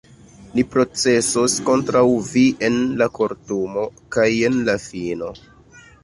ni procesos kontraŭ vi en la kortumo, kaj jen la fino.